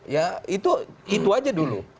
ya itu itu saja dulu